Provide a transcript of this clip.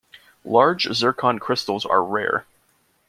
Large zircon crystals are rare.